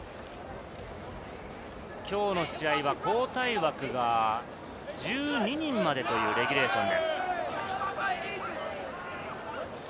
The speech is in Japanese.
きょうの試合は交代枠が１２人までというレギュレーションです。